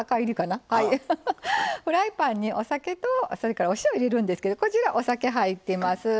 フライパンにお酒とお塩を入れるんですけどこちらお酒、入っています。